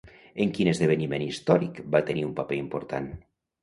En quin esdeveniment històric va tenir un paper important?